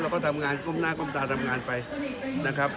ก็ทำงานก้มหน้าก้มตาทำงานไปนะครับ